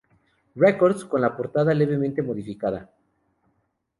Records, con la portada levemente modificada.